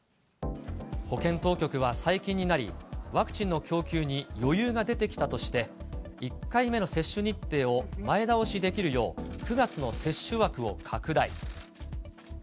保健当局は最近になり、ワクチンの供給に余裕が出てきたとして、１回目の接種日程を前倒しできるよう、９月の接種枠を拡大。